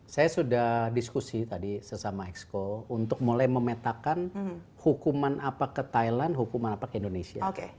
saya sudah diskusi tadi sesama exco untuk mulai memetakan hukuman apa ke thailand hukuman apa ke indonesia